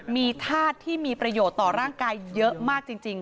มีธาตุที่มีประโยชน์ต่อร่างกายเยอะมากจริง